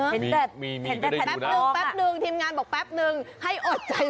เห็นแต่แทบนึงทีมงานบอกแปบนึงให้อดใจรอ